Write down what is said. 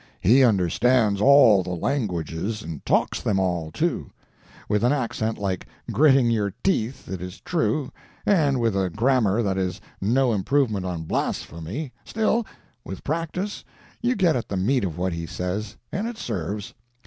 He understands all the languages, and talks them all, too. With an accent like gritting your teeth, it is true, and with a grammar that is no improvement on blasphemy—still, with practice you get at the meat of what he says, and it serves.